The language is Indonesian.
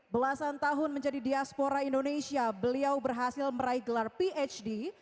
belasan tahun menjadi diaspora indonesia beliau berhasil meraih gelar phd